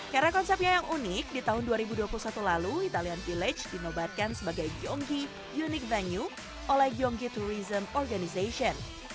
karena konsepnya yang unik di tahun dua ribu dua puluh satu lalu italian village dinobatkan sebagai gionghi unique venue oleh gionghi tourism organization